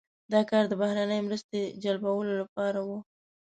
دا کار د بهرنۍ مرستې جلبولو لپاره و.